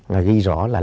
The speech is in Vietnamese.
là ghi rõ là